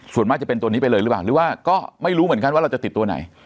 ส่วนมากจะเป็นตัวนี้ไปเลยหรือเปล่าหรือว่าก็ไม่รู้เหมือนกันว่าเราจะติดตัวไหน